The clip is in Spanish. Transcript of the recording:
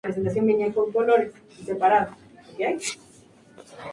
Su aparición solo tiene una cierta presencia de Black Aura.